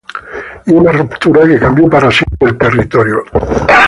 Y una ruptura que cambió para siempre el territorio.